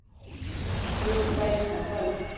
ستورو ته یې کتل.